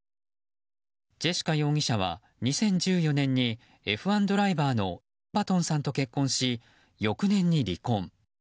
ジェシカ容疑者は２０１４年にＦ１ドライバーのバトンさんと結婚し翌年に離婚。